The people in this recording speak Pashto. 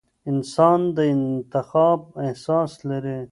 انسان د انتخاب احساس لري.